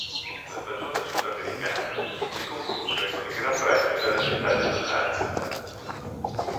La stagione sud americana si concluse con il Gran Premio della Città di Rosario.